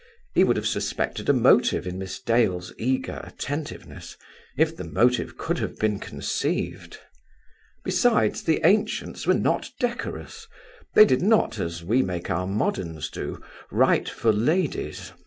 He would have suspected a motive in Miss Dale's eager attentiveness, if the motive could have been conceived. Besides, the ancients were not decorous; they did not, as we make our moderns do, write for ladies.